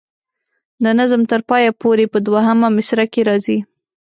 د نظم تر پایه پورې په دوهمه مصره کې راځي.